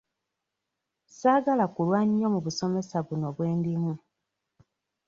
Ssaagala kulwa nnyo mu busomesa buno bwe ndimu.